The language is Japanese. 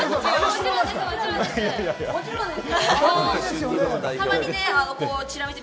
もちろんです。